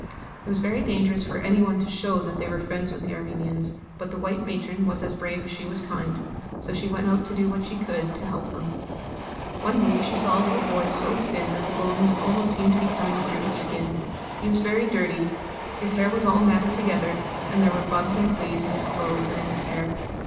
It was very dangerous for anyone to show that they were friends with the Armenians, but the white matron was as brave as she was kind; so she went out to do what she could to help them. One day she saw a little boy so thin that the bones seemed almost to be coming through his skin. He was very dirty; his hair was all matted together; and there were bugs and fleas in his clothes and in his hair.